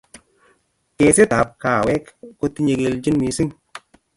kesetap kawek kotinye keljin missing